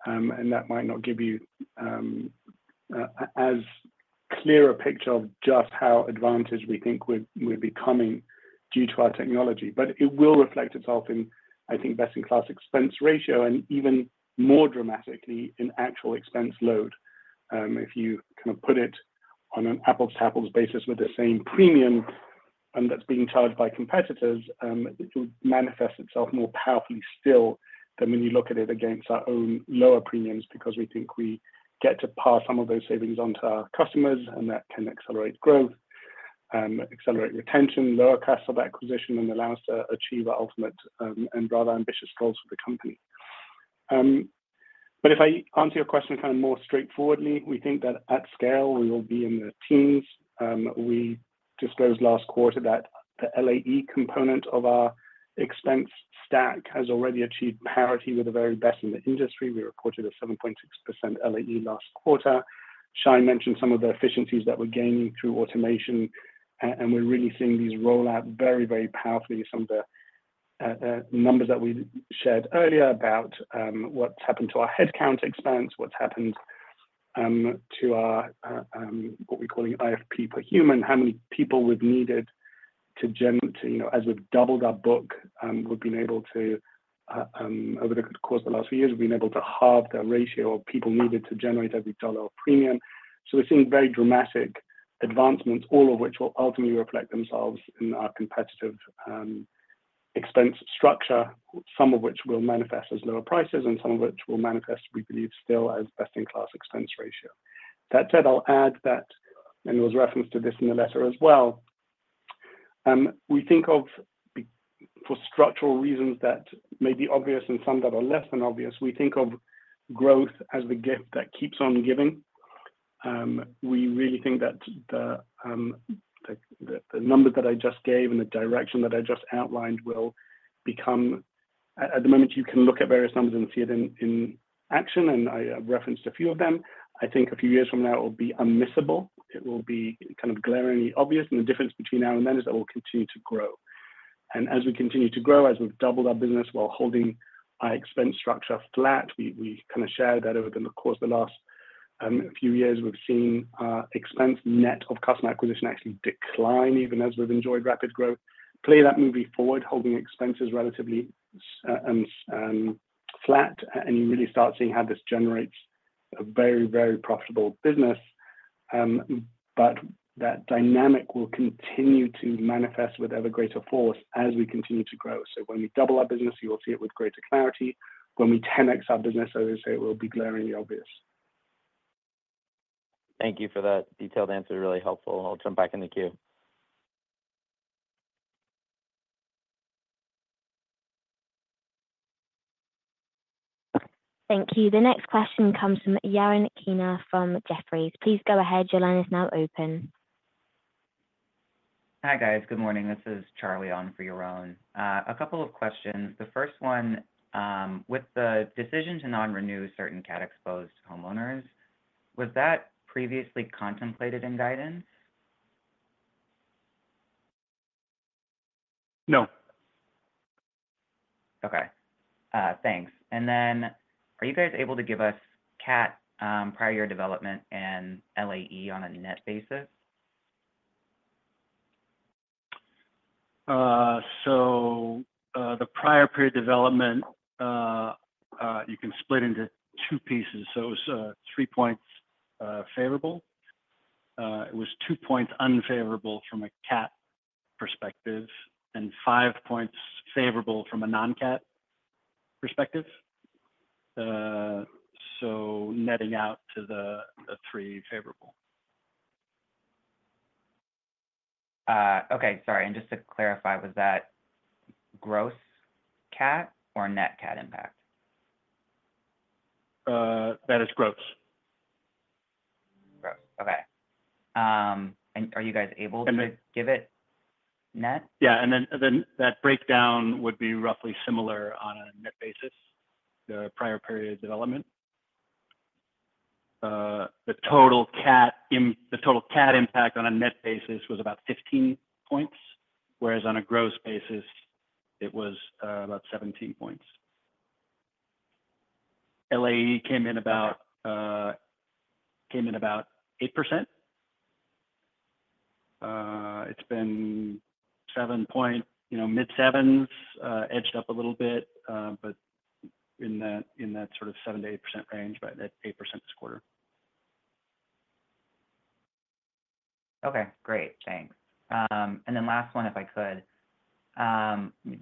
That might not give you as clear a picture of just how advantaged we think we're becoming due to our technology. It will reflect itself in, I think, best-in-class expense ratio and even more dramatically in actual expense load. If you kind of put it on an apples-to-apples basis with the same premium that's being charged by competitors, it would manifest itself more powerfully still than when you look at it against our own lower premiums because we think we get to pass some of those savings onto our customers, and that can accelerate growth, accelerate retention, lower cost of acquisition, and allow us to achieve our ultimate and rather ambitious goals for the company. But if I answer your question kind of more straightforwardly, we think that at scale, we will be in the teens. We disclosed last quarter that the LAE component of our expense stack has already achieved parity with the very best in the industry. We reported a 7.6% LAE last quarter. Shai mentioned some of the efficiencies that we're gaining through automation, and we're really seeing these roll out very, very powerfully. Some of the numbers that we shared earlier about what's happened to our headcount expense, what's happened to our what we're calling IFP per human, how many people we've needed to as we've doubled our book, we've been able to over the course of the last few years, we've been able to halve the ratio of people needed to generate every dollar of premium. So we're seeing very dramatic advancements, all of which will ultimately reflect themselves in our competitive expense structure, some of which will manifest as lower prices and some of which will manifest, we believe, still as best-in-class expense ratio. That said, I'll add that, and there was reference to this in the letter as well. We think of, for structural reasons that may be obvious and some that are less than obvious, we think of growth as the gift that keeps on giving. We really think that the numbers that I just gave and the direction that I just outlined will become. At the moment, you can look at various numbers and see it in action, and I referenced a few of them. I think a few years from now, it will be unmissable. It will be kind of glaringly obvious. The difference between now and then is that we'll continue to grow. As we continue to grow, as we've doubled our business while holding our expense structure flat, we kind of shared that over the course of the last few years. We've seen our expense net of customer acquisition actually decline, even as we've enjoyed rapid growth. Play that movie forward, holding expenses relatively flat, and you really start seeing how this generates a very, very profitable business. But that dynamic will continue to manifest with ever greater force as we continue to grow. So when we double our business, you will see it with greater clarity. When we 10x our business, I would say it will be glaringly obvious. Thank you for that detailed answer. Really helpful. I'll jump back in the queue. Thank you. The next question comes from Yaron Kinar from Jefferies. Please go ahead. Your line is now open. Hi guys. Good morning. This is Charlie on for Yaron. A couple of questions. The first one, with the decision to non-renew certain CAT-exposed homeowners, was that previously contemplated in guidance? No. Okay. Thanks. And then are you guys able to give us CAT prior year development and LAE on a net basis? The prior period development, you can split into two pieces. It was 3 points favorable. It was 2 points unfavorable from a CAT perspective and 5 points favorable from a non-CAT perspective. Netting out to the 3 favorable. Okay. Sorry. And just to clarify, was that gross CAT or net CAT impact? That is gross. Gross. Okay. And are you guys able to give it net? Yeah. And then that breakdown would be roughly similar on a net basis, the prior period development. The total CAT impact on a net basis was about 15 points, whereas on a gross basis, it was about 17 points. LAE came in about 8%. It's been mid-sevens, edged up a little bit, but in that sort of 7%-8% range, but at 8% this quarter. Okay. Great. Thanks. And then last one, if I could.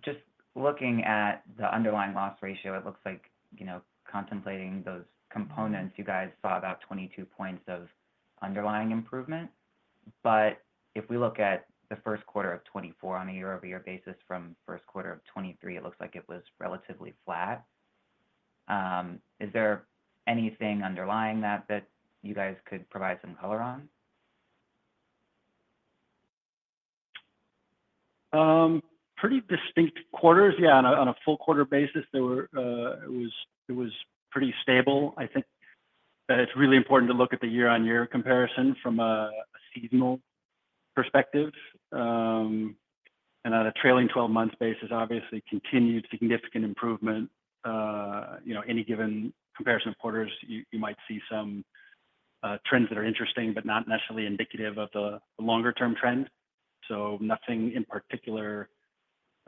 Just looking at the underlying loss ratio, it looks like contemplating those components, you guys saw about 22 points of underlying improvement. But if we look at the first quarter of 2024 on a year-over-year basis from first quarter of 2023, it looks like it was relatively flat. Is there anything underlying that that you guys could provide some color on? Pretty distinct quarters. Yeah. On a full quarter basis, it was pretty stable. I think it's really important to look at the year-on-year comparison from a seasonal perspective. And on a trailing 12-month basis, obviously, continued significant improvement. Any given comparison of quarters, you might see some trends that are interesting, but not necessarily indicative of the longer-term trend. So nothing in particular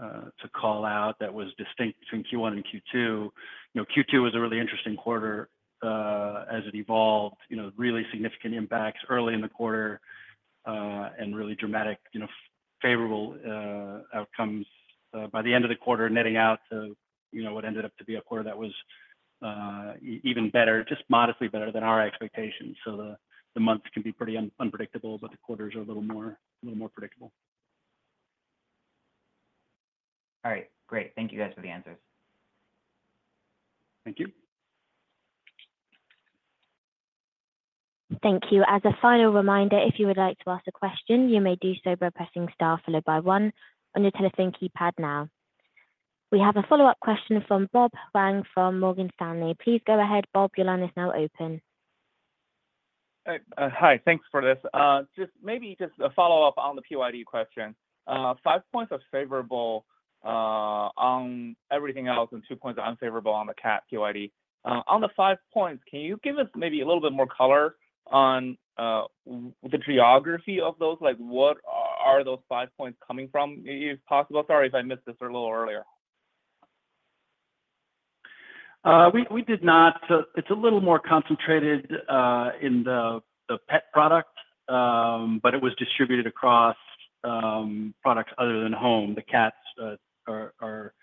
to call out that was distinct between Q1 and Q2. Q2 was a really interesting quarter as it evolved, really significant impacts early in the quarter and really dramatic favorable outcomes by the end of the quarter, netting out to what ended up to be a quarter that was even better, just modestly better than our expectations. So the months can be pretty unpredictable, but the quarters are a little more predictable. All right. Great. Thank you guys for the answers. Thank you. Thank you. As a final reminder, if you would like to ask a question, you may do so by pressing star followed by one on your telephone keypad now. We have a follow-up question from Bob Huang from Morgan Stanley. Please go ahead, Bob. Your line is now open. Hi. Thanks for this. Just maybe a follow-up on the PYD question. Five points are favorable on everything else and two points are unfavorable on the CAT PYD. On the five points, can you give us maybe a little bit more color on the geography of those? What are those five points coming from, if possible? Sorry if I missed this a little earlier. We did not. So it's a little more concentrated in the pet product, but it was distributed across products other than home. The CATs are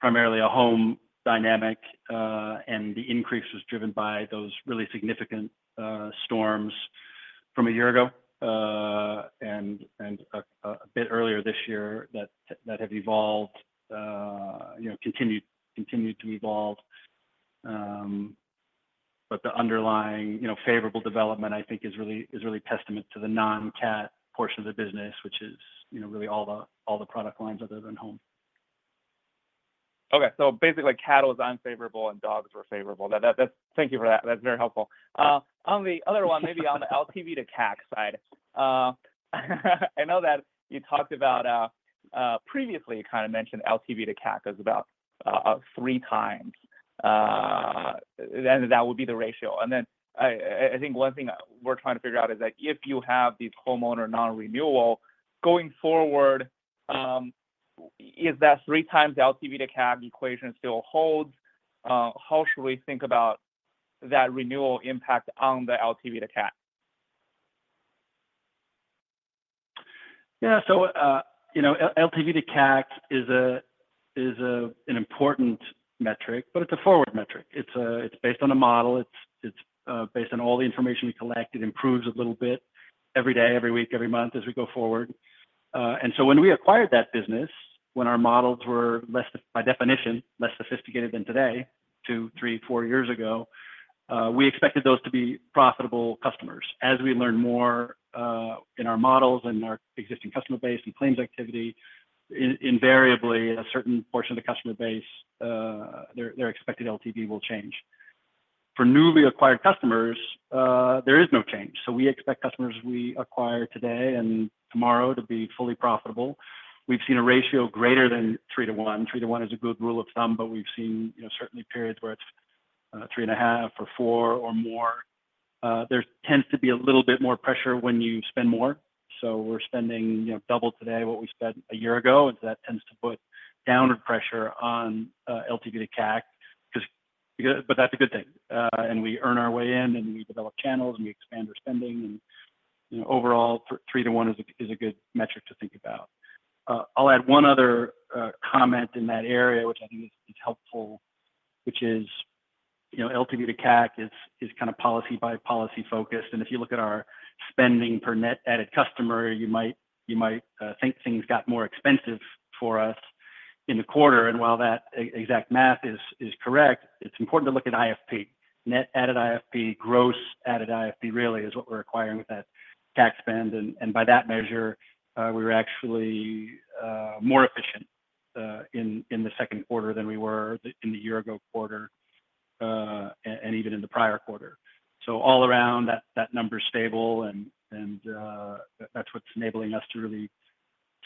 primarily a home dynamic, and the increase was driven by those really significant storms from a year ago and a bit earlier this year that have evolved, continued to evolve. But the underlying favorable development, I think, is really testament to the non-CAT portion of the business, which is really all the product lines other than home. Okay. So basically, CATs was unfavorable and dogs were favorable. Thank you for that. That's very helpful. On the other one, maybe on the LTV to CAC side, I know that you talked about previously you kind of mentioned LTV to CAC was about 3x. And that would be the ratio. And then I think one thing we're trying to figure out is that if you have these homeowners non-renewal going forward, is that 3x LTV to CAC equation still holds? How should we think about that renewal impact on the LTV to CAC? Yeah. So LTV to CAC is an important metric, but it's a forward metric. It's based on a model. It's based on all the information we collect. It improves a little bit every day, every week, every month as we go forward. And so when we acquired that business, when our models were by definition less sophisticated than today, 2, 3, 4 years ago, we expected those to be profitable customers. As we learn more in our models and our existing customer base and claims activity, invariably, a certain portion of the customer base, their expected LTV will change. For newly acquired customers, there is no change. So we expect customers we acquire today and tomorrow to be fully profitable. We've seen a ratio greater than 3:1. 3:1 is a good rule of thumb, but we've seen certainly periods where it's 3.5 or 4 or more. There tends to be a little bit more pressure when you spend more. So we're spending double today what we spent a year ago, and so that tends to put downward pressure on LTV to CAC. But that's a good thing. We earn our way in, and we develop channels, and we expand our spending. And overall, 3 to 1 is a good metric to think about. I'll add one other comment in that area, which I think is helpful, which is LTV to CAC is kind of policy-by-policy focused. And if you look at our spending per net added customer, you might think things got more expensive for us in the quarter. And while that exact math is correct, it's important to look at IFP. Net added IFP, gross added IFP really is what we're acquiring with that CAC spend. And by that measure, we were actually more efficient in the second quarter than we were in the year-ago quarter and even in the prior quarter. So all around, that number is stable, and that's what's enabling us to really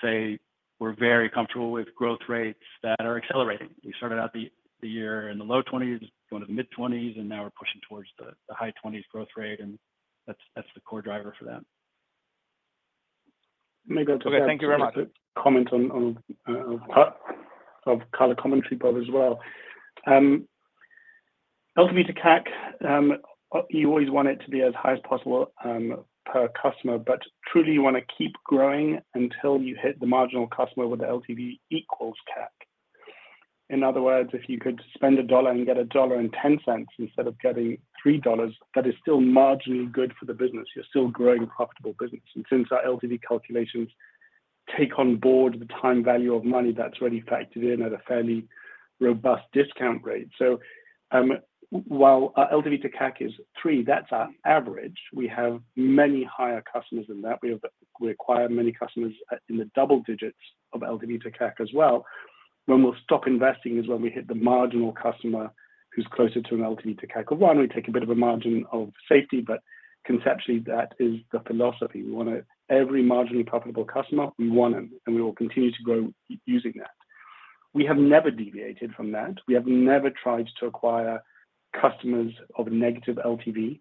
say we're very comfortable with growth rates that are accelerating. We started out the year in the low 20s, going to the mid-20s, and now we're pushing towards the high 20s growth rate. And that's the core driver for that. Maybe I'll just add something. Okay. Thank you very much. Comment on color commentary as well. LTV to CAC, you always want it to be as high as possible per customer, but truly you want to keep growing until you hit the marginal customer with the LTV equals CAC. In other words, if you could spend $1 and get $1.10 instead of getting $3, that is still marginally good for the business. You're still growing a profitable business. And since our LTV calculations take on board the time value of money that's already factored in at a fairly robust discount rate. So while our LTV to CAC is 3, that's our average. We have many higher customers than that. We acquire many customers in the double digits of LTV to CAC as well. When we'll stop investing is when we hit the marginal customer who's closer to an LTV to CAC of 1. We take a bit of a margin of safety, but conceptually, that is the philosophy. We want every marginally profitable customer. We want them, and we will continue to grow using that. We have never deviated from that. We have never tried to acquire customers of a negative LTV.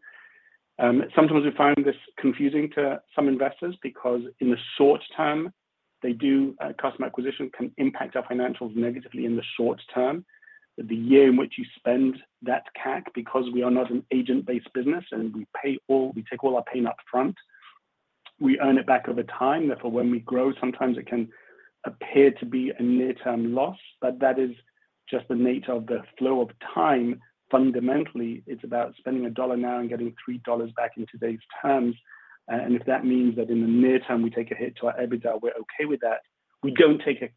Sometimes we find this confusing to some investors because in the short term, the customer acquisition can impact our financials negatively in the short term. The year in which you spend that CAC, because we are not an agent-based business and we take all our pain upfront, we earn it back over time. Therefore, when we grow, sometimes it can appear to be a near-term loss, but that is just the nature of the flow of time. Fundamentally, it's about spending a dollar now and getting $3 back in today's terms. If that means that in the near term we take a hit to our EBITDA, we're okay with that. We don't take a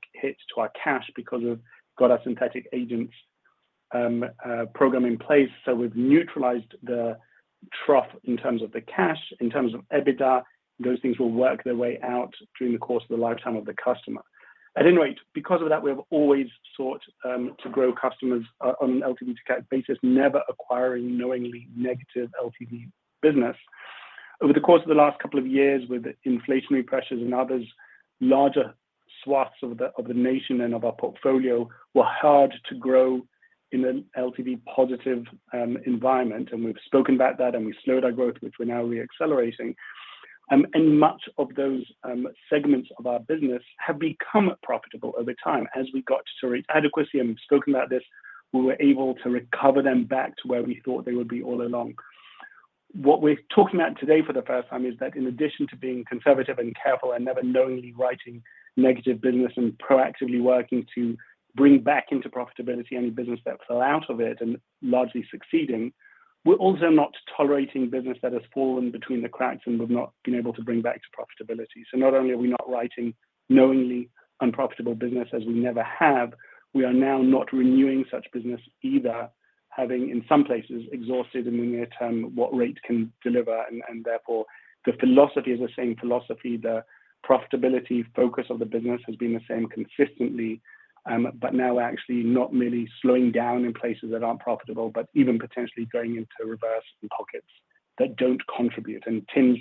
hit to our cash because we've got our Synthetic Agents program in place. So we've neutralized the trough in terms of the cash, in terms of EBITDA, those things will work their way out during the course of the lifetime of the customer. At any rate, because of that, we have always sought to grow customers on an LTV to CAC basis, never acquiring knowingly negative LTV business. Over the course of the last couple of years, with inflationary pressures and others, larger swaths of the nation and of our portfolio were hard to grow in an LTV positive environment. We've spoken about that, and we've slowed our growth, which we're now re-accelerating. Much of those segments of our business have become profitable over time as we got to a rate adequacy. We've spoken about this. We were able to recover them back to where we thought they would be all along. What we're talking about today for the first time is that in addition to being conservative and careful and never knowingly writing negative business and proactively working to bring back into profitability any business that fell out of it and largely succeeding, we're also not tolerating business that has fallen between the cracks and we've not been able to bring back to profitability. So not only are we not writing knowingly unprofitable business as we never have, we are now not renewing such business either, having in some places exhausted in the near term what rate can deliver. Therefore, the philosophy is the same philosophy. The profitability focus of the business has been the same consistently, but now we're actually not merely slowing down in places that aren't profitable, but even potentially going into reverse in pockets that don't contribute. And Tim's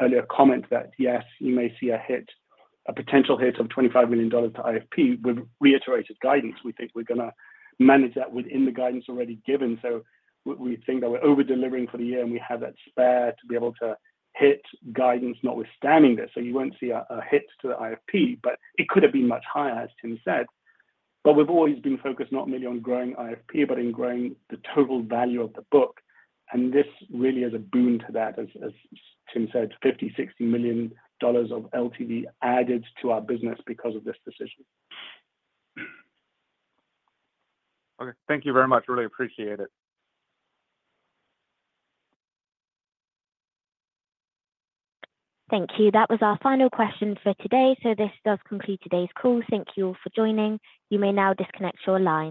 earlier comment that yes, you may see a potential hit of $25 million to IFP with reiterated guidance. We think we're going to manage that within the guidance already given. So we think that we're over-delivering for the year, and we have that spare to be able to hit guidance notwithstanding this. So you won't see a hit to the IFP, but it could have been much higher, as Tim said. But we've always been focused not merely on growing IFP, but in growing the total value of the book. This really is a boon to that, as Tim said, $50 million-$60 million of LTV added to our business because of this decision. Okay. Thank you very much. Really appreciate it. Thank you. That was our final question for today. This does conclude today's call. Thank you all for joining. You may now disconnect your line.